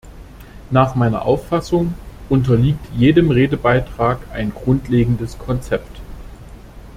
Nach meiner Auffassung unterliegt jedem Redebeitrag ein grundlegendes Konzept.